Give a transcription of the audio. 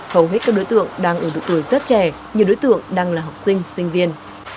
hầu hết các đối tượng đang ở độ tuổi rất trẻ nhiều đối tượng đang là học sinh sinh viên